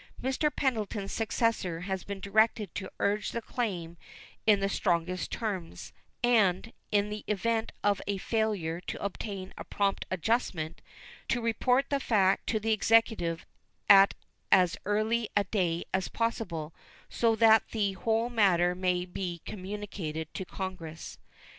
Mr. Pendleton's successor has been directed to urge the claim in the strongest terms, and, in the event of a failure to obtain a prompt adjustment, to report the fact to the Executive at as early a day as possible, so that the whole matter may be communicated to Congress.